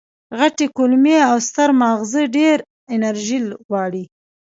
غټې کولمې او ستر ماغز ډېره انرژي غواړي.